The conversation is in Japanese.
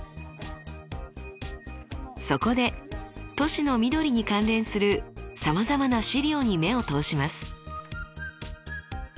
そこで都市の緑に関連するさまざまな資料に目を通します。